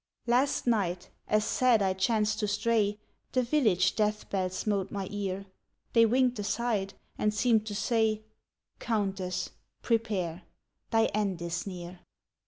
"Last night, as sad I chanced to stray, The village death bell smote my ear; They winked aside, and seemed to say, 'Countess, prepare, thy end is near.'